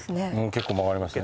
結構曲がりました。